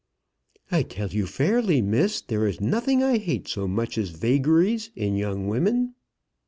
"I tell you fairly, Miss, there is nothing I hate so much as vagaries in young women."